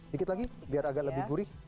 dikit lagi biar agak lebih gurih